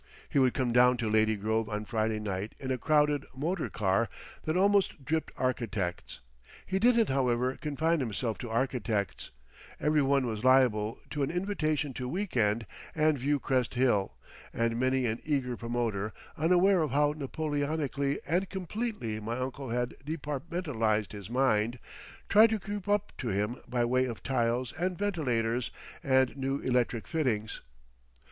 He would come down to Lady Grove on Friday night in a crowded motor car that almost dripped architects. He didn't, however, confine himself to architects; every one was liable to an invitation to week end and view Crest Hill, and many an eager promoter, unaware of how Napoleonically and completely my uncle had departmentalised his mind, tried to creep up to him by way of tiles and ventilators and new electric fittings.